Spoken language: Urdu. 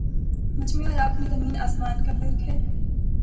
مجھ میں اور آپ میں زمیں آسمان کا فرق ہے